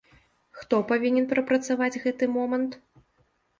Хто павінен прапрацаваць гэты момант?